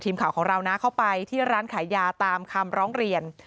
ทีมข่าวของเรานะเข้าไปที่ร้านขายยาตามคำร้องเรียน